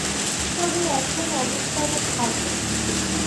তবে এখন অবস্থা অনেক ভালো।